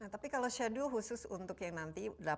tapi kalau shadow khusus untuk yang nanti